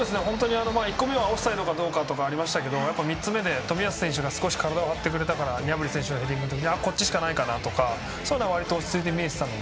１個目はオフサイドかどうかとかありましたけど３つ目で冨安選手が体を張ってくれたからヘディングシュートこっちしかないかなとかそれは落ち着いて見えていたので。